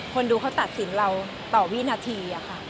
คนดูเขาตัดสินเราต่อวินาทีค่ะ